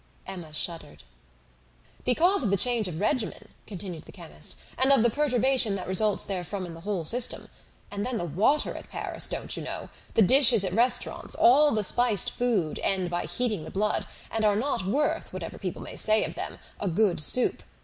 Emma shuddered. "Because of the change of regimen," continued the chemist, "and of the perturbation that results therefrom in the whole system. And then the water at Paris, don't you know! The dishes at restaurants, all the spiced food, end by heating the blood, and are not worth, whatever people may say of them, a good soup.